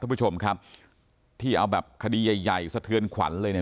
คุณผู้ชมครับที่เอาแบบคดีใหญ่ใหญ่สะเทือนขวัญเลยเนี่ย